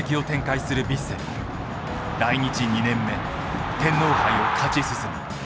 来日２年目天皇杯を勝ち進む。